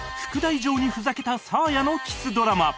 以上にふざけたサーヤのキスドラマ